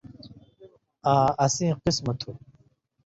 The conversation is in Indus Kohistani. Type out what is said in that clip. آں اسیں قِسمہ تھو